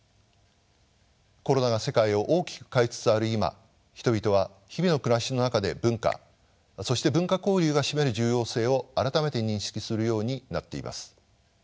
コロナが世界を大きく変えつつある今人々は日々の暮らしの中で文化そして文化交流が占める重要性を改めて認識するようになっています。